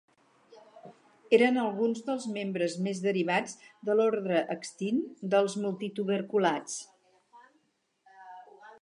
Eren alguns dels membres més derivats de l'ordre extint dels multituberculats.